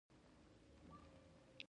باران د افغانستان د طبیعت د ښکلا برخه ده.